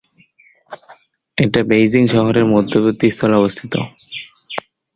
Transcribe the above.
এটি বেইজিং শহরের মধ্যস্থলে অবস্থিত।